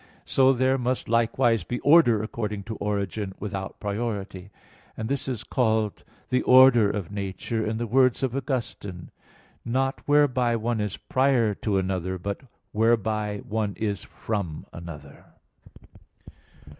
1): so there must likewise be order according to origin, without priority; and this is called 'the order of nature': in the words of Augustine (Contra Maxim. iv): "Not whereby one is prior to another, but whereby one is from another."